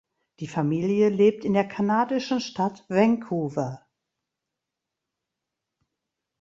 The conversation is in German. Die Familie lebt in der kanadischen Stadt Vancouver.